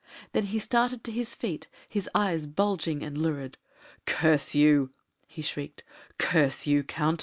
Then he started to his feet, his eyes bulging and lurid. "Curse you!" he shrieked; "curse you, Count!